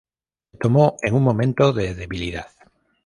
Me tomó en un momento de debilidad.